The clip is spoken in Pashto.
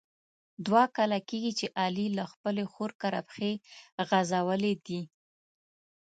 دوه کاله کېږي چې علي له خپلې خور کره پښې غزولي دي.